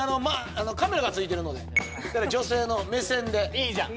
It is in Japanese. カメラが付いてるので女性の目線でいいじゃん！